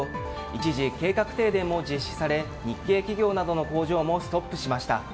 一時、計画停電も実施され日系企業などの工場もストップしました。